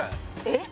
えっ？